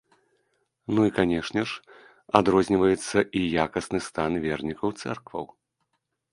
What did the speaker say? Ну і, канешне ж, адрозніваецца і якасны стан вернікаў цэркваў.